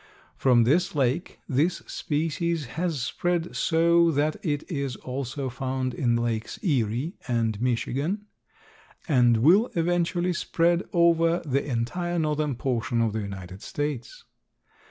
From this lake this species has spread so that it is also found in Lakes Erie and Michigan, and will eventually spread over the entire northern portion of the United States.